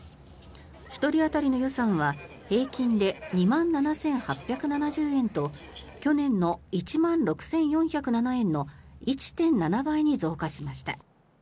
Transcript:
１人当たりの予算は平均で２万７８７０円と去年の１万６４０７円の１．７倍に増加しました。